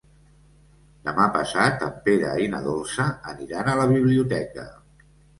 Demà passat en Pere i na Dolça aniran a la biblioteca.